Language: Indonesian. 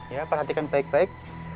ya perhatikan baik baik